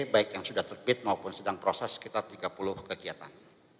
baik yang sudah terbit maupun sedang proses sekitar tiga puluh kegiatan